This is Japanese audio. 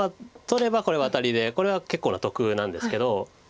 取ればこれはワタリでこれは結構な得なんですけど。